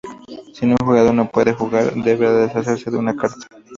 Si un jugador no puede jugar debe deshacerse de una carta.